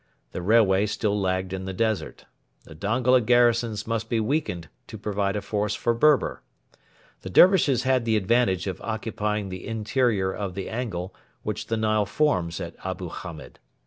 The railway still lagged in the desert. The Dongola garrisons must be weakened to provide a force for Berber. The Dervishes had the advantage of occupying the interior of the angle which the Nile forms at Abu Hamed.